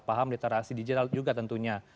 paham literasi digital juga tentunya